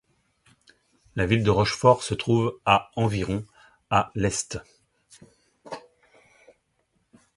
La ville de Rochefort se trouve à environ à l'est.